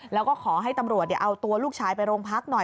แล้วก็ขอให้ตำรวจเอาตัวลูกชายไปโรงพักหน่อย